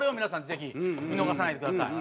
ぜひ見逃さないでください。